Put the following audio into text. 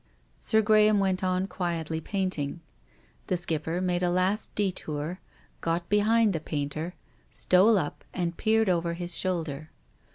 Sir Graham went on quietly painting. The Skipper made a last detour, got behind the painter, stole up and peered over his shoulder.